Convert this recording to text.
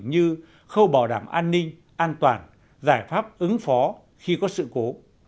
như khâu bảo đảm an ninh an toàn giải pháp ứng phó khi có sự cố